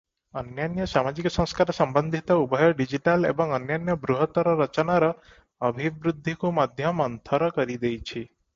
ଅନ୍ୟାନ୍ୟ ସାମାଜିକ ସଂସ୍କାର ସମ୍ବନ୍ଧିତ ଉଭୟ ଡିଜିଟାଲ ଏବଂ ଅନ୍ୟାନ୍ୟ ବୃହତ୍ତର ରଚନାର ଅଭିବୃଦ୍ଧିକୁ ମଧ୍ୟ ମନ୍ଥର କରିଦେଇଛି ।